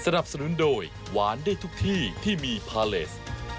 สนุนโดยหวานได้ทุกที่ที่มีพาเลส